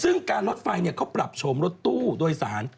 ซึ่งการรถไฟเขาปรับโฉมรถตู้โดยสาร